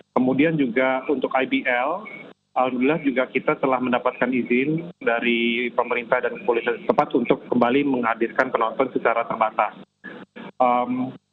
kemudian juga untuk ibl alhamdulillah juga kita telah mendapatkan izin dari pemerintah dan kepolisian tempat untuk kembali menghadirkan penonton secara terbatas